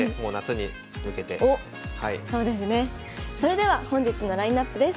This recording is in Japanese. それでは本日のラインナップです。